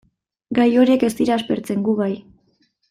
Gailu horiek ez dira aspertzen, gu bai.